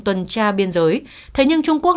tuần tra biên giới thế nhưng trung quốc